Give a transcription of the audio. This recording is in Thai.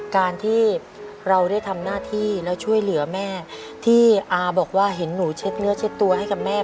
การที่เราได้ทำหน้าที่แล้วช่วยเหลือแม่ที่อาบอกว่าเห็นหนูเช็ดเนื้อเช็ดตัวให้กับแม่